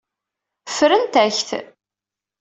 Ffrent-ak-t.